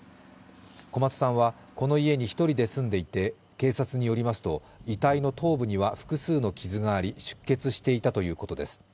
小松さんはこの家に１人で住んでいて警察によりますと、遺体の頭部には複数の傷があり、出血していたということです。